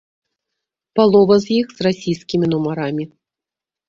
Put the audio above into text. Палова з іх з расійскімі нумарамі.